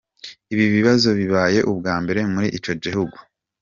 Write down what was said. Ibi bizoba bibaye ubwambere mur'ico gihugu.